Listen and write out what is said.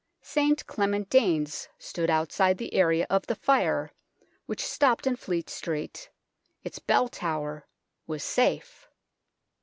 St Clement Danes stood outside the area of the Fire, which stopped in Fleet Street ; its bell tower was safe.